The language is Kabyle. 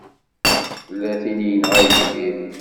Tella tin i yenɣa Yidir.